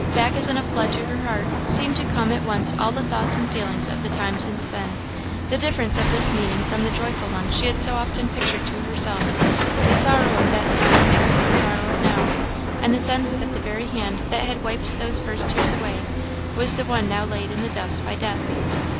Back as in a flood to her heart seemed to come at once all the thoughts and feelings of the time since then; the difference of this meeting from the joyful one she had so often pictured to herself; the sorrow of that time mixed with the sorrow now; and the sense that the very hand that had wiped those first tears away, was the one now laid in the dust by death.